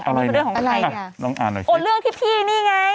อะไรเนี่ยอะไรล้องอ่านหน่อยเลือกรี๊ดนี่ไง